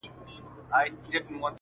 نورو ټولو به وهل ورته ټوپونه!!